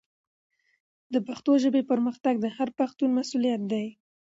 د پښتو ژبې پرمختګ د هر پښتون مسؤلیت دی.